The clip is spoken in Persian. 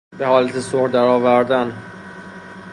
به حالت صلح در آوردن